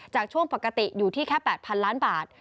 ช่วงปกติอยู่ที่แค่๘๐๐๐ล้านบาท